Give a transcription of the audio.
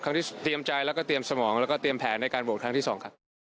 ที่เตรียมใจแล้วก็เตรียมสมองแล้วก็เตรียมแผนในการโหวตครั้งที่๒ครับ